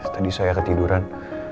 tadi saya ketiduran